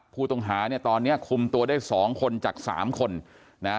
ผู้ต้องหาเนี่ยตอนเนี้ยคุมตัวได้สองคนจากสามคนนะ